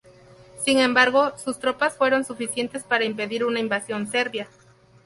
Sin embargo, sus tropas fueron suficientes para impedir una invasión serbia.